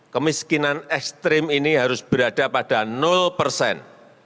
kemiskinan ekstrim ini harus berada pada persen